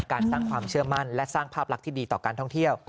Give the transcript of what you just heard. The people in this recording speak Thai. การสร้างความเชื่อมั่นและสร้างภาพลักษณ์ที่ดีต่อการท่องเที่ยว